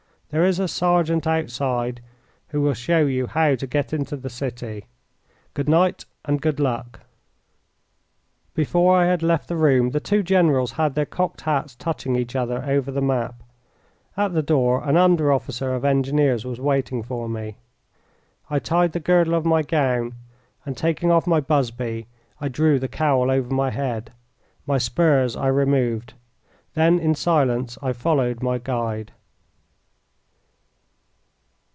There is a sergeant outside who will show you how to get into the city. Good night, and good luck!" Before I had left the room, the two generals had their cocked hats touching each other over the map. At the door an under officer of engineers was waiting for me. I tied the girdle of my gown, and taking off my busby, I drew the cowl over my head. My spurs I removed. Then in silence I followed my guide.